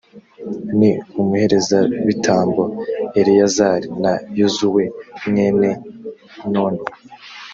ni umuherezabitambo eleyazari na yozuwe mwene nuni.